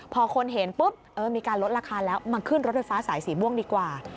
พอคนเห็นปุ๊บมีการลดราคาแล้วมาขึ้นรถไฟฟ้าสายสีม่วงดีกว่า